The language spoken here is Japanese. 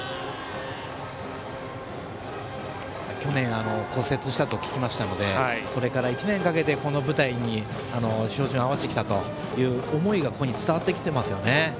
去年骨折したと聞きましたのでそれから１年かけて、この舞台に照準を合わせてきた思いが伝わってきてますよね。